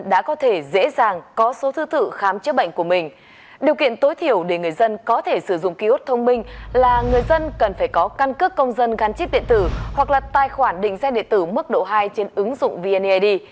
điều kiện tối thiểu để người dân có thể sử dụng ký út thông minh là người dân cần phải có căn cước công dân gắn chip điện tử hoặc là tài khoản định xe điện tử mức độ hai trên ứng dụng vnaid